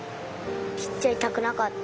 切っちゃいたくなかった。